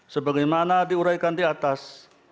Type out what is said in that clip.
sebagaimana diuraikan di atas